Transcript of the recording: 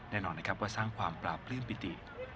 แน่นอนนะครับว่าสร้างความปราบปลื้มปิติ